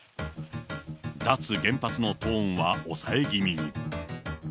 脱原発のトーンは抑え気味に。